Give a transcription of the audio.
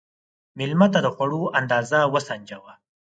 مېلمه ته د خوړو اندازه وسنجوه.